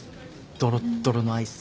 ドロドロのアイス。